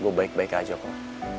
gue baik baik aja kok